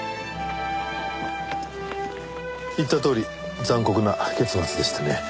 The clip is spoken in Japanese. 言ったとおり残酷な結末でしたね。